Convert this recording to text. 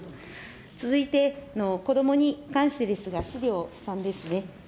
続いて、子どもに関してですが、資料３ですね。